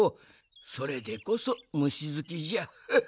それでこそむしずきじゃ。